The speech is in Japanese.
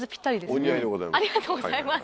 お似合いでございます。